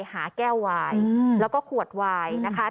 หาแก้วไวน์แล้วก็ขวดไวน์นะคะ